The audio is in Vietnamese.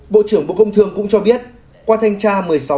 bộ trưởng bộ công thương cũng cho biết qua thanh tra một mươi sáu tám trăm linh